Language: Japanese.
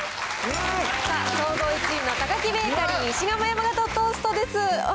総合１位のタカキベーカリー、石窯山型トーストです。